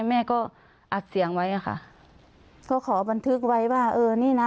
แม่ก็อัดเสียงไว้อะค่ะก็ขอบันทึกไว้ว่าเออนี่นะ